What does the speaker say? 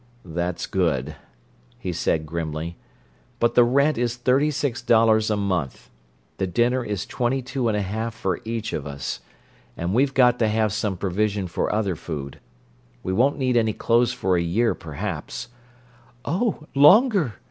"That's good," he said grimly. "But the rent is thirty six dollars a month; the dinner is twenty two and a half for each of us, and we've got to have some provision for other food. We won't need any clothes for a year, perhaps—" "Oh, longer!"